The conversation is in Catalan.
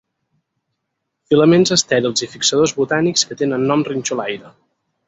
Filaments estèrils i fixadors botànics que tenen nom rinxolaire.